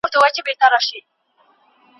عمر غوښتل چې د غلام پیسې ورکړي.